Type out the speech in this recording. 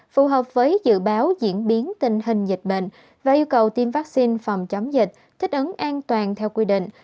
phù hợp với dự báo diễn biến tình hình dịch bệnh và yêu cầu tiêm vaccine phòng chống dịch thích ứng an toàn theo quy định